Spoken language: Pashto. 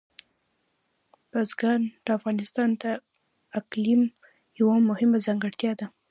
بزګان د افغانستان د اقلیم یوه مهمه ځانګړتیا ده.